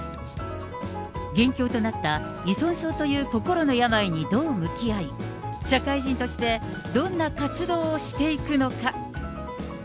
元凶となった依存症という心の病にどう向き合い、社会人として、どんな活動をしていくのか。